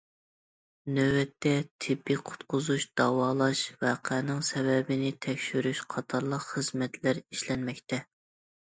نۆۋەتتە، تېببىي قۇتقۇزۇش- داۋالاش، ۋەقەنىڭ سەۋەبىنى تەكشۈرۈش قاتارلىق خىزمەتلەر ئىشلەنمەكتە.